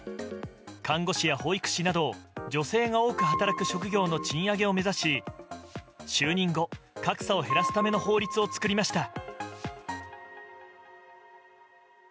看護師や保育士など女性が多く働く職業の賃上げを目指し就任後、格差を減らすための法律を作りました。